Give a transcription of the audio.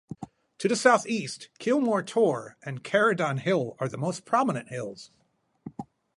To the south-east Kilmar Tor and Caradon Hill are the most prominent hills.